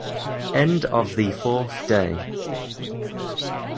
End of the fourth day.